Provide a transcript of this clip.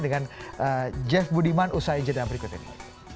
dengan jeff budiman usaiin jendera berikut ini